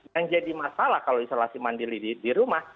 yang jadi masalah kalau isolasi mandiri di rumah